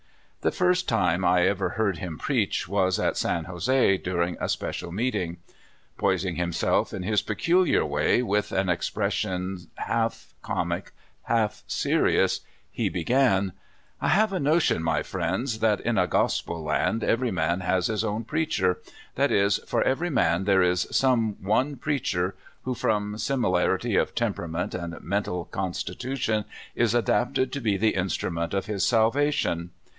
The first time I ever heard him preach was at San Jose, during a special meeting. Poising him self in his peculiar way, with an expression half comic, half serious, he began: *'I have a notion, my friends, that in a gospel land every man has his own preacher — that is, for every man there is 48 CALIFORNIA SKETCHES. some one preacher, who, from similarity of tem perament and mental constitution, is adapted to be the instrument of his salvation.